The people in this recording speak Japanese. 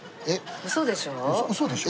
ウソでしょ？